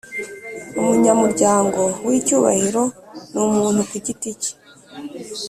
Umunyamuryango w icyubahiro ni umuntu ku giti cye